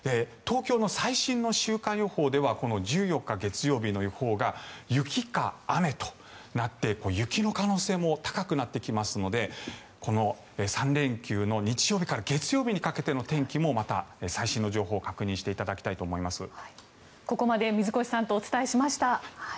東京の最新の週間予報では１４日、月曜日の予報が雪か雨となって雪の可能性も高くなってきてますのでこの３連休の日曜日から月曜日にかけての天気もまた最新の情報を確認していただきたいと思います。